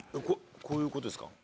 こういうことですか？